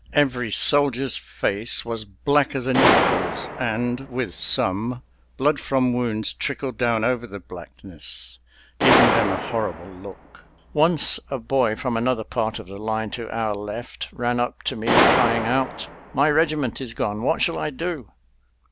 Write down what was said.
Every soldier's face was black as a negro's, and, with some, blood from wounds trickled down over the blackness, giving them a horrible look. Once a boy from another part of the line to our left ran up to me crying out: "My regiment is gone! what shall I do?"